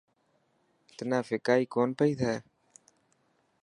تنا ڦڪائي ڪونه پئي ٿي.